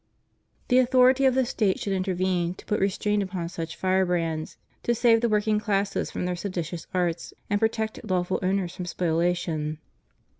The authority of the State should intervene to put restraint upon such fire brands, to save the working classes from their seditious arts, and protect lawful owners from spoliation.